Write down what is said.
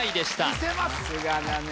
さすがだね